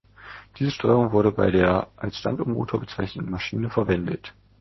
Diese Steuerung wurde bei der als Standuhr-Motor bezeichneten Maschine verwendet.